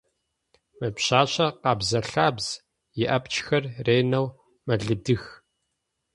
Мы пшъашъэр къэбзэ-лъабз, иапчхэр ренэу мэлыдых.